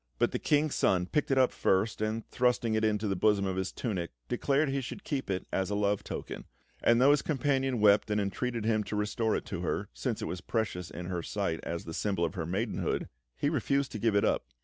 But the King's Son picked it up first, and thrusting it into the bosom of his tunic, declared he should keep it as a love token; and though his companion wept and entreated him to restore it to her, since it was precious in her sight as the symbol of her maidenhood, he refused to give it up.